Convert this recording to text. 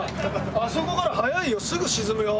あそこから早いよ